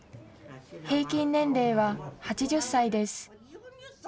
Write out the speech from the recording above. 平均年齢は８０歳です。